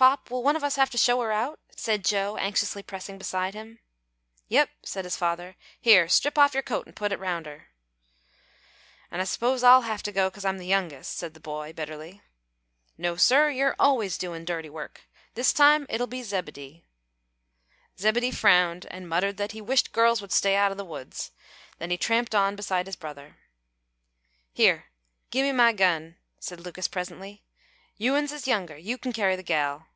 "Pop, will one of us have to show her out?" said Joe, anxiously pressing beside him. "Yep," said his father. "Here, strip off your coat an' put it round her." "An' I s'pose I'll hev to go 'cause I'm the youngest," said the boy, bitterly. "No, sir you're always doin' dirty work. This time it'll be Zebedee." Zebedee frowned, and muttered that he wished girls would stay out o' the woods; then he tramped on beside his brother. "Here, gimme my gun," said Lucas, presently. "You uns is younger. You kin carry the gal."